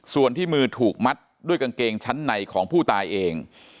ส่วนที่มือถูกมัดด้วยกางเกงชั้นในของผู้ตายเอง